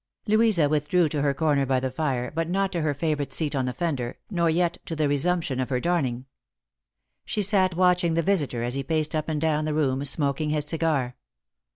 Louisa withdrew to her corner by the fire, but not to her favourite seat on the fender, nor yet to the resumption of her darning. She sat watching the visitor as he paced up and down the room, smoking his cigar.